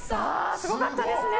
すごかったですね！